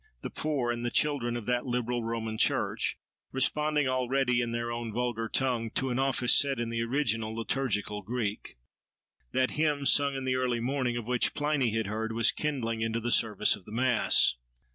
—the poor and the children of that liberal Roman church—responding already in their own "vulgar tongue," to an office said in the original, liturgical Greek. That hymn sung in the early morning, of which Pliny had heard, was kindling into the service of the Mass.